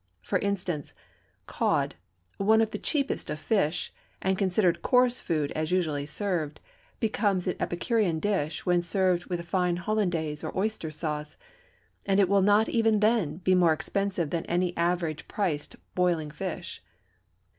For instance: cod, one of the cheapest of fish, and considered coarse food as usually served, becomes an epicurean dish when served with a fine Hollandaise or oyster sauce, and it will not even then be more expensive than any average priced boiling fish.